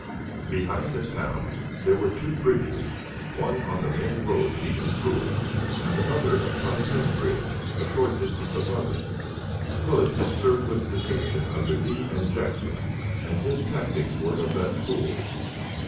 Behind the town there were two bridges, one on the main road leading through it, and the other a pontoon bridge a short distance above it. Hood had served with distinction under Lee and Jackson, and his tactics were of that school.